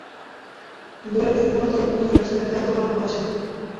দলে তিনি মূলতঃ উদ্বোধনী ব্যাটসম্যানের দায়িত্ব পালন করেছেন।